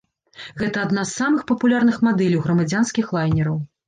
Гэта адна з самых папулярных мадэляў грамадзянскіх лайнераў.